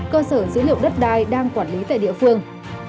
cơ sở dữ liệu đất đai đang quản lý tại địa phương